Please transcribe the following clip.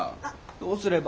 どうすれば？